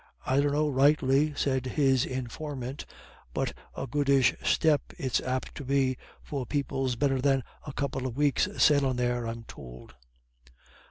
"I dunno rightly," said his informant, "but a goodish step it's apt to be, for people's better than a couple of weeks sailin' there, I'm tould."